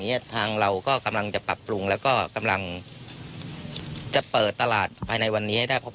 ทางเราก็กำลังจะปรับปรุงแล้วก็กำลังจะเปิดตลาดภายในวันนี้ให้ได้เพราะ